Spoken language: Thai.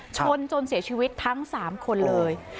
ชนจนเสียชีวิตทั้งสามคนเลยโอ้โห